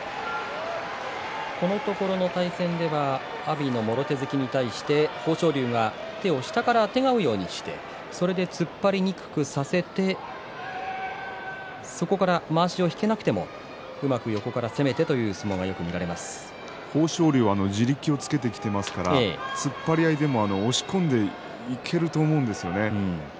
このところの対戦では阿炎のもろ手突きに対して豊昇龍は手を下からあてがうようにして突っ張りにくくさせてそこからまわしを引けなくてもうまく横から攻めてという相撲が豊昇龍は地力をつけてきていますが突っ張られても押し込んでいけると思うんですよね。